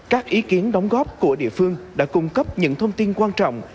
các ý kiến đóng góp của địa phương đã cung cấp những thông tin quan trọng